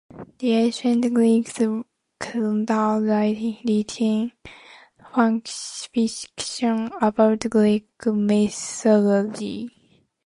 The Ancient Greeks couldn't have written fanfiction about Greek mythology.